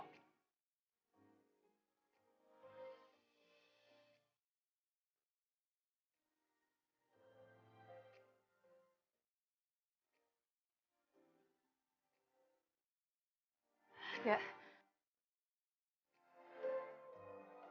gue gak tepat buat lo